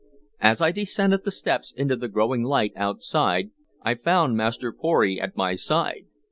As I descended the steps into the growing light outside, I found Master Pory at my side.